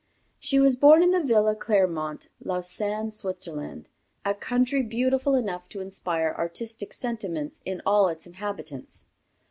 She was born in the Villa Clermont, Lausanne, Switzerland, a country beautiful enough to inspire artistic sentiments in all its inhabitants.